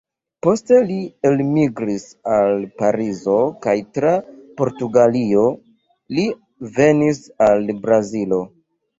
Poste li elmigris al Parizo kaj tra Portugalio li venis al Brazilo.